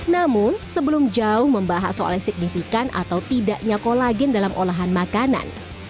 namun sebelum jauh membahas soal signifikan atau tidaknya kolagen dalam olahan makanan